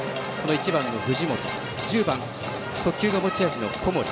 １番の藤本１０番速球が持ち味の小森。